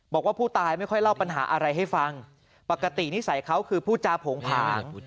บอกว่าผู้ตายไม่ค่อยเล่าปัญหาอะไรให้ฟังปกตินิสัยเขาคือพูดจาโผงผาง